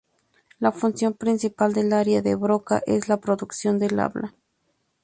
La función principal del área de Broca es la producción del habla.